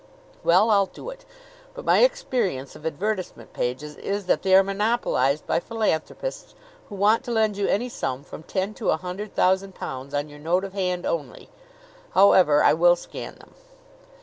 "Well, I'll do it; but my experience of advertisement pages is that they are monopolized by philanthropists who want to lend you any sum from ten to a hundred thousand pounds on your note of hand only. However, I will scan them."